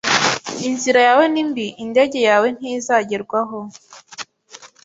Inzira yawe ni mbi indege yawe ntizagerwaho